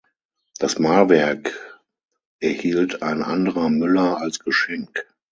Das Mahlwerk erhielt ein anderer Müller als Geschenk.